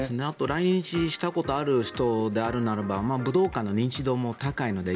来日したことがある人であるならば武道館の認知度も高いので。